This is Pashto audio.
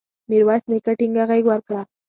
میرویس نیکه ټینګه غېږ ورکړه.